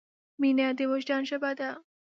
مینه د وجدان ژبه ده.